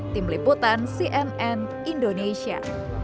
tim liputan cnn indonesia